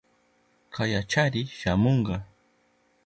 Kayachari shamunka.